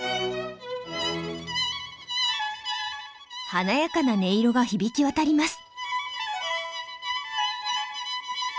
華やかな音色が響き渡ります。